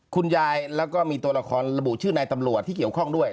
คุณยายแล้วก็มีตัวละครระบุชื่อนายตำรวจที่เกี่ยวข้องด้วย